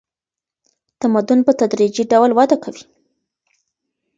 تمدن په تدریجي ډول وده کوي.